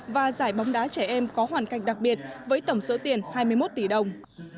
và giải bóng đá trẻ em có hoàn cảnh đặc biệt với tổng số tiền hai mươi một tỷ đồng